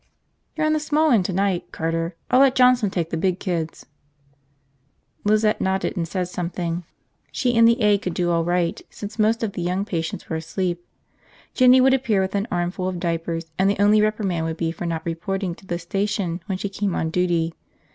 "You're on the small end tonight, Carter. I'll let Johnson take the big kids." Lizette nodded and said something. She and the aide could do all right since most of the young patients were asleep. Jinny could appear with an armful of diapers and the only reprimand would be for not reporting to the station when she came on duty.